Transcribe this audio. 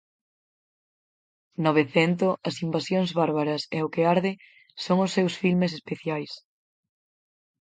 "Novecento", "As invasións bárbaras" e "O que arde" son os seus filmes especiais.